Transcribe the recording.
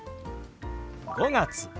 「５月」